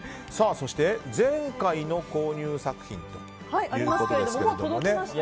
そして前回の購入作品ということですが。